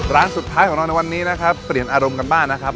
ร้านสุดท้ายของเราในวันนี้นะครับเปลี่ยนอารมณ์กันบ้างนะครับ